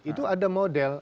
itu ada model